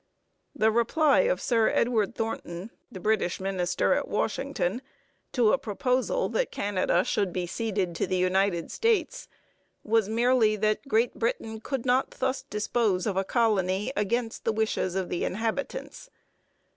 The reply of Sir Edward Thornton, the British minister at Washington, to a proposal that Canada should be ceded to the United States was merely that Great Britain could not thus dispose of a colony 'against the wishes of the inhabitants.'